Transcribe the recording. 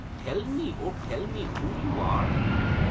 Tell me, oh, tell me, who you are!"